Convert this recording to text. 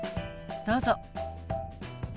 どうぞ。